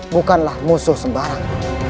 bukanlah musuh sembarang